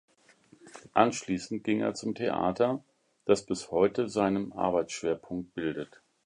Anschließend ging er zum Theater, das bis heute seinen Arbeitsschwerpunkt bildet.